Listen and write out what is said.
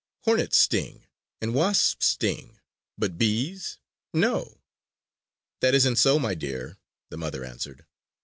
"Hornets sting, and wasps sting; but bees, no!" "That isn't so, my dear!" the mother answered.